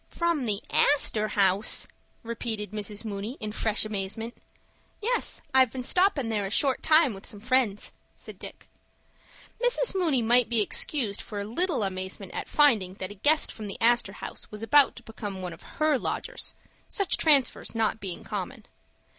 "From the Astor House!" repeated Mrs. Mooney, in fresh amazement. "Yes, I've been stoppin' there a short time with some friends," said Dick. Mrs. Mooney might be excused for a little amazement at finding that a guest from the Astor House was about to become one of her lodgers—such transfers not being common.